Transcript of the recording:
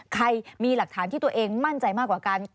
ใครมีหลักฐานที่ตัวเองมั่นใจมากกว่ากัน